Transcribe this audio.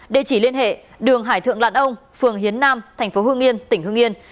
địa chỉ liên hệ đường hải thượng lạn ông phường hiến nam tp hưng yên tỉnh hưng yên